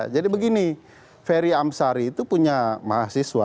jadi begini ferry amsari itu punya mahasiswa